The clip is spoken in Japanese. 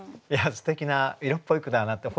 すてきな色っぽい句だなって。